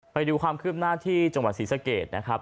ไปดูความคืบหน้าที่จังหวัดศรีสะเกดนะครับ